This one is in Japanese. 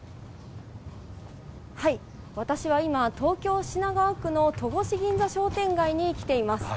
私は今、東京・品川区の戸越銀座商店街に来ています。